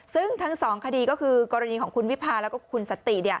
ซึ่งทั้งสองคดีก็คือกรณีของคุณวิพาแล้วก็คุณสันติ